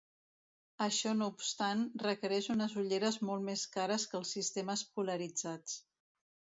Això no obstant, requereix unes ulleres molt més cares que els sistemes polaritzats.